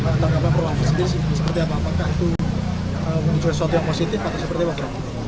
tentang apa perlawanan sendiri seperti apa apakah itu menunjukkan sesuatu yang positif atau seperti apa